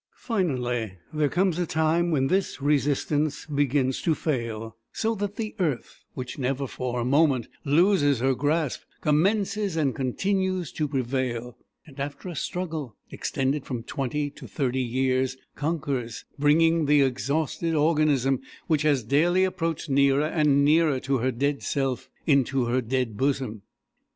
Finally, there comes a time when this resistance begins to fail, so that the earth, which never for a moment loses her grasp, commences and continues to prevail, and after a struggle, extended from twenty to thirty years, conquers, bringing the exhausted organism which has daily approached nearer and nearer to her dead self, into her dead bosom.